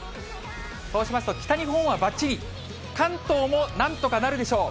そうしますと、北日本はばっちり、関東もなんとかなるでしょう。